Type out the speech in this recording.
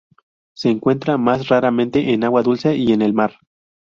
Se encuentra más raramente en agua dulce y en el mar.